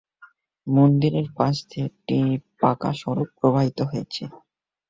মন্দিরের পাশ দিয়ে একটি পাকা সড়ক প্রবাহিত হয়েছে।